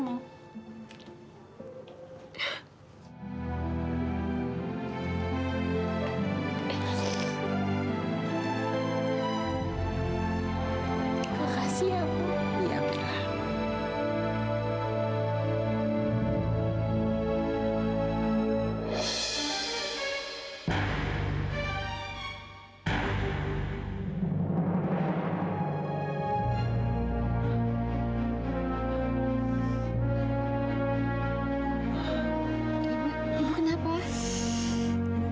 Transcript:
ibu ibu kenapa